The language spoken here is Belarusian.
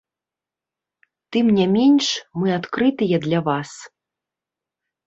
Тым не менш, мы адкрытыя для вас.